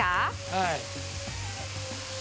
はい。